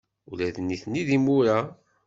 Ula d nitni d imura.